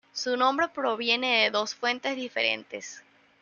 Su nombre proviene de dos fuentes diferentes.